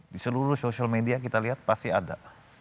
di seluruh sosial media kita lihat pasti ada